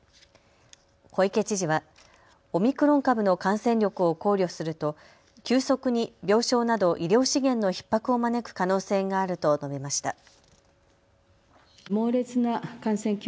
小池知事はオミクロン株の感染力を考慮すると急速に病床など医療資源のひっ迫を招く可能性があると述べました。